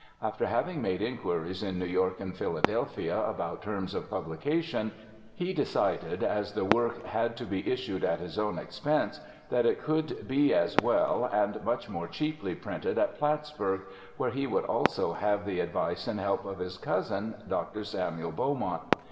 After having made inquiries in New York and Philadelphia about terms of publication, he decided, as the work had to be issued at his own expense, that it could be as well and much more cheaply printed at Plattsburgh, where he would also have the advice and help of his cousin. Dr. Samuel Beaumont.